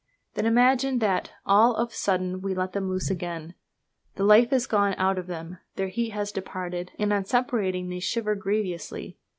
Then imagine that all of a sudden we let them loose again. The life is gone out of them, their heat has departed, and on separating they shiver grievously.